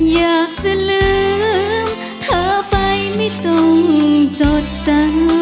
อยากจะลืมเธอไปไม่ต้องจดจำ